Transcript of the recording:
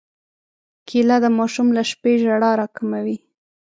کېله د ماشوم له شپې ژړا راکموي.